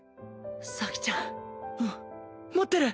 咲ちゃんうん持ってる！